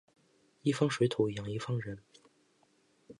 一方水土养一方人